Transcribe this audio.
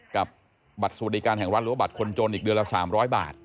กับบัตรสวัสดิการแห่งรัฐหรือว่าบัตรคนจนอีกเดือนละ๓๐๐บาท